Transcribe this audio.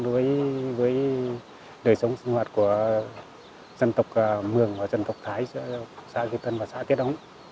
và dân tộc thái xã kỳ tân và xã tiết âu